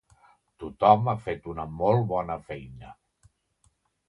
Tothom ha fet una molt bona feina.